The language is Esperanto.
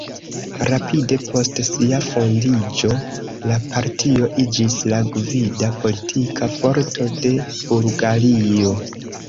Rapide post sia fondiĝo la partio iĝis la gvida politika forto de Bulgario.